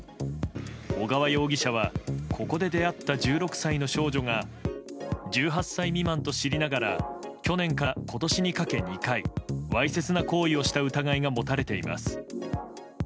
小川容疑者はここで出会った１６歳の少女が１８歳未満と知りながら去年から今年にかけ２回わいせつな行為をした疑いが持たれています。